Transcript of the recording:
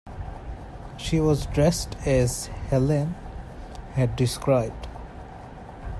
She was dressed as Helene had described.